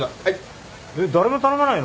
誰も頼まないの？